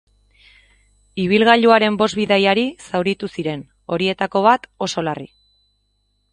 Ibilgailuaren bost bidaiari zauritu ziren, horietako bat, oso larri.